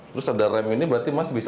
terus ada rem ini berarti mas bisa